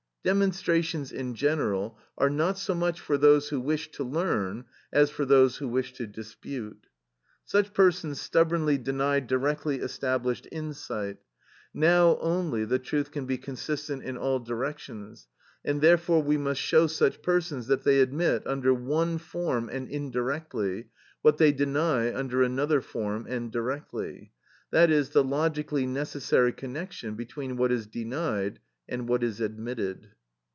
Demonstrations in general are not so much for those who wish to learn as for those who wish to dispute. Such persons stubbornly deny directly established insight; now only the truth can be consistent in all directions, and therefore we must show such persons that they admit under one form and indirectly, what they deny under another form and directly; that is, the logically necessary connection between what is denied and what is admitted.